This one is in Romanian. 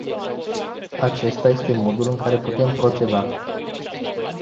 Acesta este modul în care putem proceda.